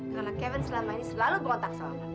karena kevin selama ini selalu berontak sama orang